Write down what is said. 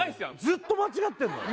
ずっと間違ってんだよ